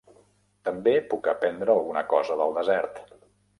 També puc aprendre alguna cosa del desert.